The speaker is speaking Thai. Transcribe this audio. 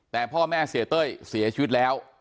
แต่พ่อแม่เสียเต้ยเสียชีวิตแล้ว